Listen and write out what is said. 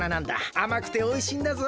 あまくておいしいんだぞ。